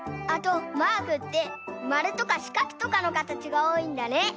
あとマークってまるとかしかくとかのかたちがおおいんだね。